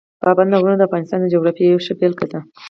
پابندي غرونه د افغانستان د جغرافیې یوه ښه بېلګه ده.